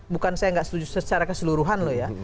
bukan saya nggak setuju secara keseluruhan loh ya